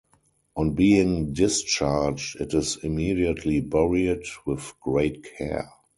On being discharged it is immediately buried with great care.